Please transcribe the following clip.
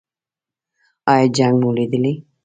ایا جنګ مو لیدلی؟